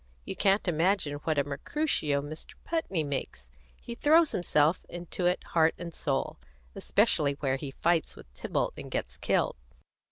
You can't imagine what a Mercutio Mr. Putney makes; he throws himself into it heart and soul, especially where he fights with Tybalt and gets killed.